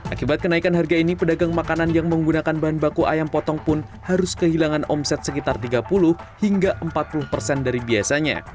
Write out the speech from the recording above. akibat kenaikan harga ini pedagang makanan yang menggunakan bahan baku ayam potong pun harus kehilangan omset sekitar tiga puluh hingga empat puluh persen dari biasanya